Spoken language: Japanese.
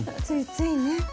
ついついね。